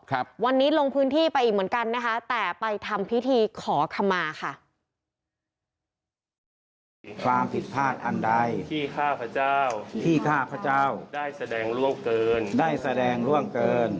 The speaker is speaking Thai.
ความผิดพลาดอันใดที่ข้าพเจ้าที่ข้าพเจ้าได้แสดงร่วงเกินได้แสดงร่วงเกิน